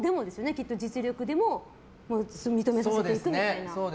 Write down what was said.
きっと実力でも認めさせていくみたいな。